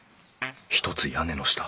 ひとつ屋根の下